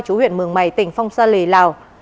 chú huyện mường mày tỉnh phong sa lì lào